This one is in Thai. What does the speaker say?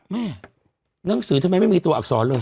หนังสือทำไมไม่มีตัวอักษรเลย